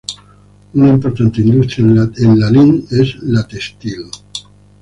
Una importante industria en Lalín es la del textil.